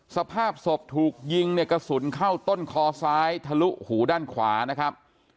สภาพศพถูกยิงเนี่ยกระสุนเข้าต้นคอซ้ายทะลุหูด้านขวานะครับ